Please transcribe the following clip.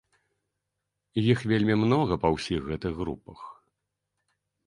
Іх вельмі многа па ўсіх гэтых групах.